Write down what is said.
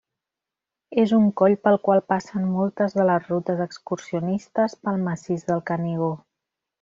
És un coll pel qual passen moltes de les rutes excursionistes pel Massís del Canigó.